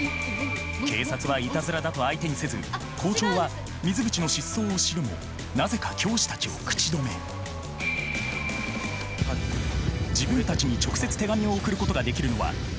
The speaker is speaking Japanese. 警察はイタズラだと相手にせず校長は水口の失踪を知るもなぜか教師たちを口止め自分たちに直接手紙を送ることができるのは教師だけ。